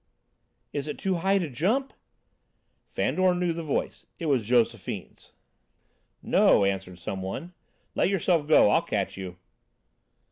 "Is it too high to jump?" Fandor knew the voice: it was Josephine's. "No," answered some one. "Let yourself go. I'll catch you."